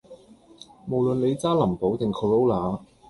無論你揸林寶定 corolla